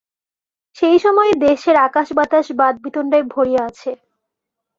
সেই সময়ে দেশের আকাশ-বাতাস বাদ-বিতণ্ডায় ভরিয়া আছে।